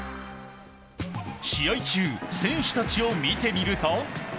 試合中、選手たちを見てみると。